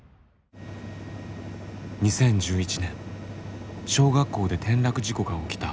２０１１年小学校で転落事故が起きた大阪・堺市。